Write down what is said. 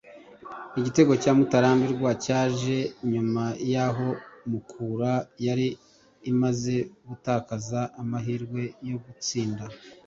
Igitego cya Mutarambirwa cyaje nyuma y’aho Mukura yari imaze gutakaza amahirwe yo gutsinda